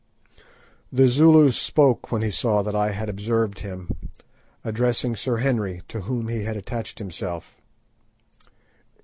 The Zulu spoke when he saw that I had observed him, addressing Sir Henry, to whom he had attached himself.